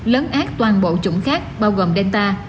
lấn át toàn bộ chủng khác bao gồm delta